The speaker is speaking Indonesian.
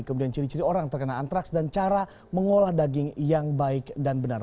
kemudian ciri ciri orang terkena antraks dan cara mengolah daging yang baik dan benar